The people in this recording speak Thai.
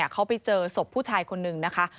เขาไปเจอศพผู้ชายคนนึงนะคะ